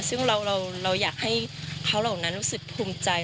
ซึ่งเราอยากให้เขาเหล่านั้นรู้สึกภูมิใจ